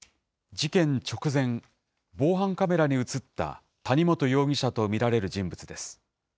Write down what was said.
事件直前、防犯カメラに写った谷本容疑者と見られる人物です。